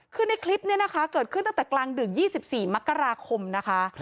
คือในคลิปนี้นะคะเกิดขึ้นตั้งแต่กลางดึก๒๔มกราคมนะคะ